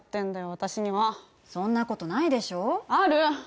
私にはそんなことないでしょある！